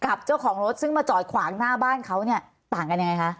กับเจ้าของรถซึ่งมาจอดขวางหน้าบ้านเขาเนี่ยต่างกันยังไงคะ